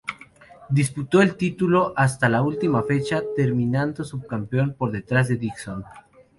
Disputó el título hasta la última fecha, terminando subcampeón por detrás de Dixon.